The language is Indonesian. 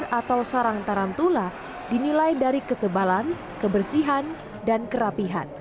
atau sarang tarantula dinilai dari ketebalan kebersihan dan kerapihan